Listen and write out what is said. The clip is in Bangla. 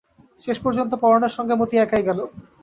শেষপর্যন্ত পরাণের সঙ্গে মতি একাই গেল।